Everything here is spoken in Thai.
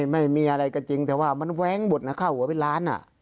ไม่มีอะไรก็จริงแต่ว่ามันแว้งหมดนะค่าหัวเป็นล้าน